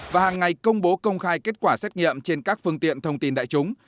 và hàng ngày công bố công khai kết quả xét nghiệm trên các phương tiện thông tin đại chúng